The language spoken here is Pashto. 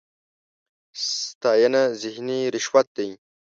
ستاېنه ذهني رشوت دی.